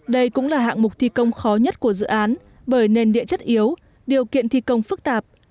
đây cũng là hạng mục thi công khó nhất của dự án bởi nền địa chất yếu điều kiện thi công phức tạp